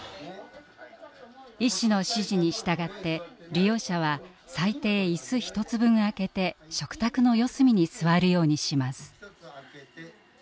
医師の指示に従って利用者は最低椅子１つ分あけて食卓の四隅に座るようにします。